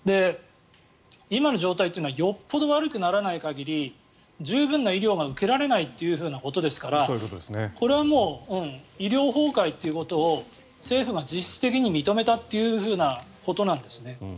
今の状態っていうのはよっぽど悪くならない限り十分な医療が受けれないということですからこれはもう医療崩壊ということを政府が実質的に認めたということなんですね。